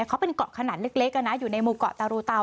เขาเป็นเกาะขนาดเล็กอยู่ในหมู่เกาะตารูเตา